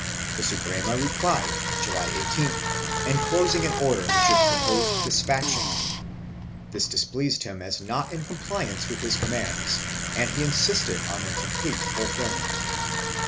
The Suprema replied, July 18th, enclosing an order which it proposed despatching; this displeased him as not in compliance with his commands and he insisted on their complete fulfilment.